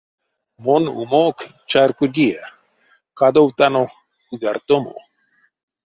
Мон умо-о-ок чарькодия — кадовтано куяртомо.